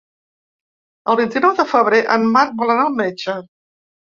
El vint-i-nou de febrer en Marc vol anar al metge.